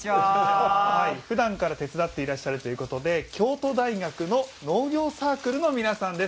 ふだんから手伝っていらっしゃるということで、京都大学の農業サークルの皆さんです。